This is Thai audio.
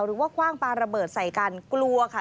ว่าคว่างปลาระเบิดใส่กันกลัวค่ะ